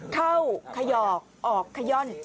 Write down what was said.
เข้าขยอกออกขย่อน